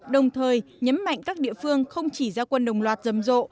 đồng thời nhấm mạnh các địa phương không chỉ ra quân đồng loạt dầm rộ